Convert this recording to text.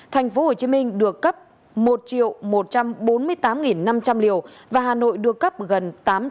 thành phố hồ chí minh được cấp một một trăm bốn mươi tám năm trăm linh liều và hà nội được cấp gần